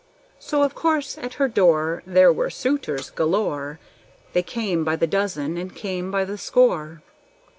So of course at her door There were suitors galore; They came by the dozen, and came by the score.